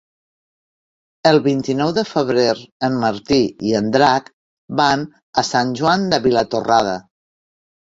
El vint-i-nou de febrer en Martí i en Drac van a Sant Joan de Vilatorrada.